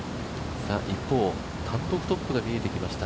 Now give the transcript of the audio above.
一方、単独トップが見えてきました